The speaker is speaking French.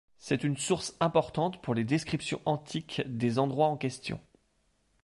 C'est une source importante pour les descriptions antiques des endroits en question.